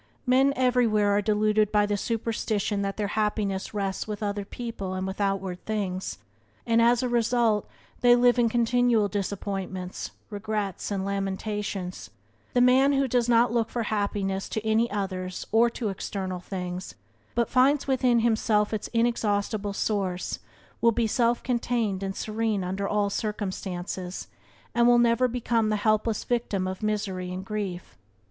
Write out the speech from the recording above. Men everywhere are deluded by the superstition that their happiness rests with other people and with outward things, and, as a result, they live in continual disappointments, regrets, and lamentations. The man who does not look for happiness to any others or to external things, but finds within himself its inexhaustible source, will be self contained and serene under all circumstances, and will never become the helpless victim of misery and grief.